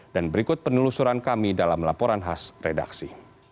dan berikut penelusuran kami dalam laporan khas redaksi